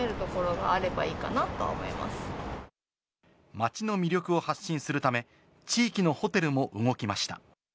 街の魅力を発信するため、地域のホテルも動きました。